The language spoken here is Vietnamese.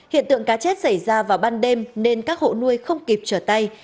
hiện tượng cá chết xảy ra vào ban đêm nên các hộ nuôi không kịp trở tay